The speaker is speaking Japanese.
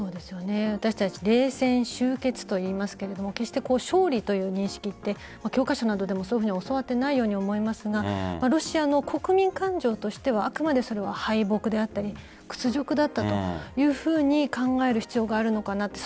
私たち、冷戦終結と言いますが決して勝利という認識は教科書などでもそう教わっていないように思いますがロシアの国民感情としてはあくまでもそれは敗北であったり屈辱であったというふうに考える必要があるのかなと。